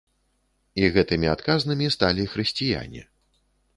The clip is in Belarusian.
І гэтымі адказнымі сталі хрысціяне.